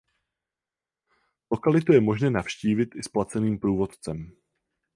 Lokalitu je možné navštívit i s placeným průvodcem.